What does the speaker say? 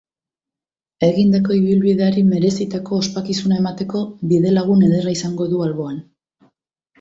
Egindako ibilbideari merezitako ospakizuna emateko bidelagun ederra izango du alboan.